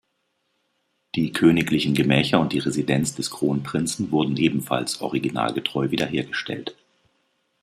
Die königlichen Gemächer und die Residenz des Kronprinzen wurden ebenfalls originalgetreu wiederhergestellt.